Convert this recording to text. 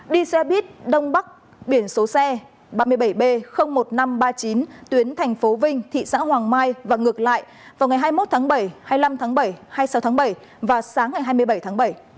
đi xe buýt đông bắc biển số xe ba mươi bảy b một nghìn năm trăm ba mươi chín tuyến thành phố vinh thị xã hoàng mai và ngược lại vào ngày hai mươi một tháng bảy hai mươi năm tháng bảy hai mươi sáu tháng bảy và sáng ngày hai mươi bảy tháng bảy